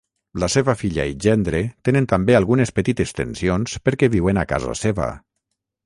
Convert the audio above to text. La seva filla i gendre tenen també algunes petites tensions perquè viuen a casa seva.